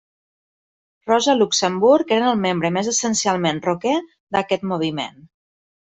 Rosa-Luxemburg eren el membre més essencialment rocker d'aquest moviment.